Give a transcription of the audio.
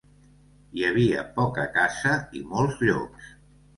Hi havia poca caça i molts llops.